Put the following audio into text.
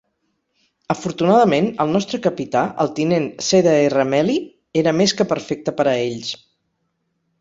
Afortunadament, el nostre capità, el tinent Cdr Melly, era més que perfecte per a ells.